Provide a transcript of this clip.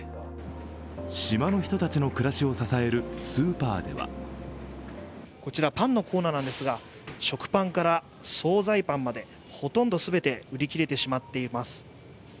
島の人たちの暮らしを支えるスーパーではこちら、パンのコーナーなんですが食パンから総菜パンまでほとんど全て売り切れてしまっています。